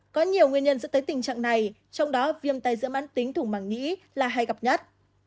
có nhiều nguyên nhân dẫn tới tình trạng này trong đó viêm tai dữa mạng tính thủng bằng nghĩ là hay gặp nhất